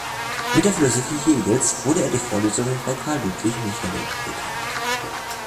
Mit der Philosophie Hegels wurde er durch Vorlesungen bei Karl Ludwig Michelet bekannt.